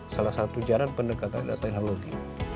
salah satu jalan pendekatan dan teknologi